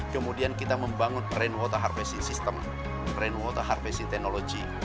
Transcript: kemudian kita membangun rainwater harvesting system rainwater harvesting technology